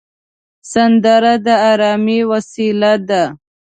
سندره د ارامۍ وسیله ده